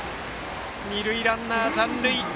二塁ランナー、残塁。